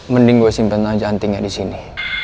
mending gue simpen aja antingnya di sini